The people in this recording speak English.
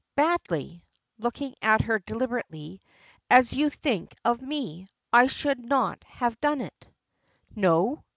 Badly," looking at her deliberately, "as you think of me, I should not have done it." "No?"